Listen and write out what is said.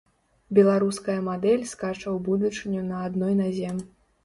Беларуская мадэль скача ў будучыню на адной назе.